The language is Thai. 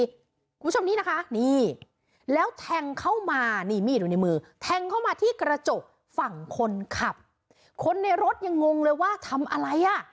คุณผู้ชมนี้นะคะนี่แล้วแทงเข้ามานี่มีดอยู่ในมือแทงเข้ามาที่กระจกฝั่งคนขับคนในรถยังงงเลยว่าทำอะไรอ่ะ